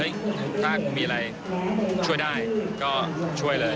เฮ้ยถ้าคุณมีอะไรช่วยได้ก็ช่วยเลย